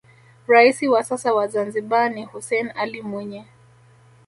raisi wa sasa wa zanzibar ni hussein alli mwinyi